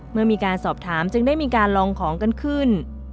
เมื่อมีการสอบถามจึงได้มีการลองของกันขึ้น